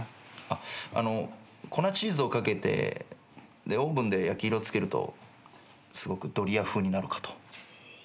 あの粉チーズを掛けてオーブンで焼き色つけるとすごくドリア風になるかと。